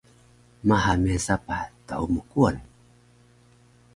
Maha miyan sapah thmkuwan